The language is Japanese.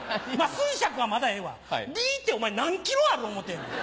寸尺はまだええわ里ってお前何ｋｍあると思うてんねん。